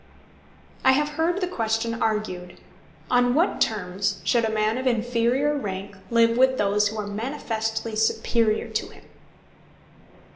I have heard the question argued On what terms should a man of inferior rank live with those who are manifestly superior to him?